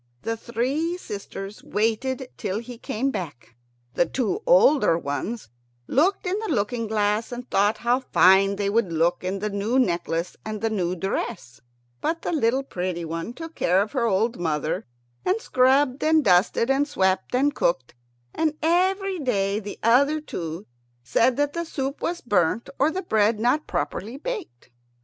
The three sisters waited till he came back. The two elder ones looked in the looking glass, and thought how fine they would look in the new necklace and the new dress; but the little pretty one took care of her old mother, and scrubbed and dusted and swept and cooked, and every day the other two said that the soup was burnt or the bread not properly baked.